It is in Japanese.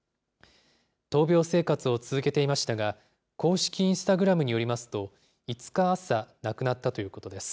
闘病生活を続けていましたが、公式インスタグラムによりますと、５日朝、亡くなったということです。